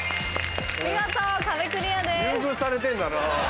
見事壁クリアです。